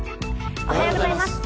おはようございます。